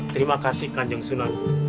terima kasih kanjeng sunan